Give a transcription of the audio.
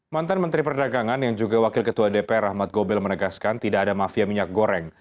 mantan menteri perdagangan yang juga wakil ketua dpr ahmad gobel menegaskan tidak ada mafia minyak goreng